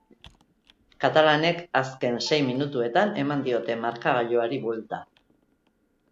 Katalanek azken sei minutuetan eman diote markagailuari buelta.